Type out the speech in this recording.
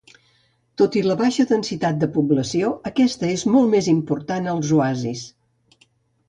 Tot i la baixa densitat de població, aquesta és molt més important als oasis.